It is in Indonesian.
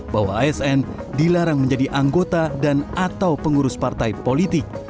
bahwa asn dilarang menjadi anggota dan atau pengurus partai politik